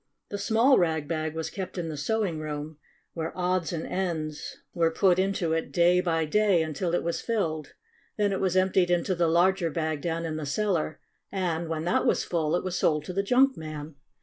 The small rag bag was kept in the sewing room, where odds and ends 87 88 STORY OF A SAWDUST DOLL were put into it day by day until it was filled. Then it was emptied into the larger bag down in the cellar, and, when that was full, it was sold to the junk man.